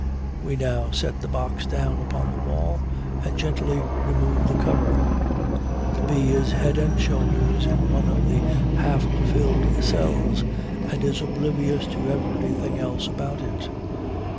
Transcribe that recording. We now set the box down upon the wall and gently remove the cover. The bee is head and shoulders in one of the half filled cells, and is oblivious to everything else about it.